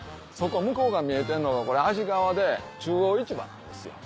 向こう側見えてるのが安治川で中央市場なんですよ